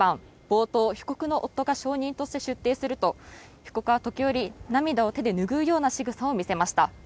冒頭、被告の夫が証人として出廷すると被告は時折、涙を手で拭うようなしぐさを見せました。